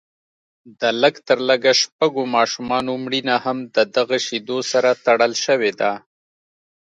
د لږ تر لږه شپږو ماشومانو مړینه هم ددغو شیدو سره تړل شوې ده